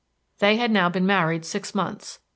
They had now been married six months.